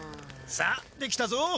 さあできたぞ。